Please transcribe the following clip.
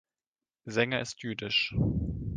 Sänger ist jüdisch.